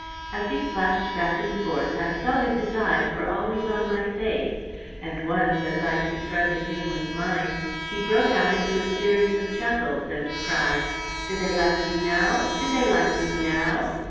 As he flashed back and forth, I saw that his eyes were always on my face, and once, as I confronted him with mine, he broke out into a series of chuckles, and cried: "Do they like you now? do they like you now?"